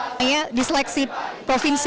kayaknya disleksi provinsi